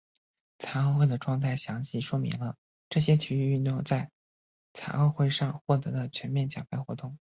残奥会的状态详细说明了这些体育运动在残奥会上获得的全面奖牌活动。